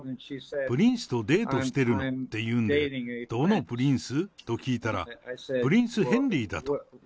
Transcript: プリンスとデートしてるのって言うんで、どのプリンス？と聞いたら、プリンス・ヘンリーだと。